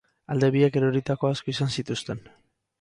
Alde biek eroritako asko izan zituzten.